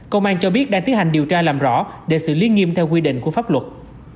công an cho biết đang tiến hành điều tra làm rõ để xử lý nghiêm theo quy định của pháp luật